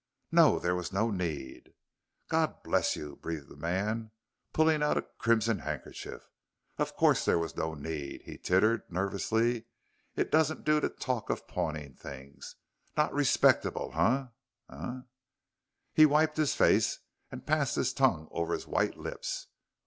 "No. There was no need." "God bless you!" breathed the man, pulling out a crimson handkerchief. "Of course there was no need," he tittered nervously. "It doesn't do to talk of pawning things not respectable, eh eh." He wiped his face and passed his tongue over his white lips.